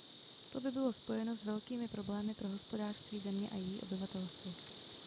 To by bylo spojeno s velkými problémy pro hospodářství země a její obyvatelstvo.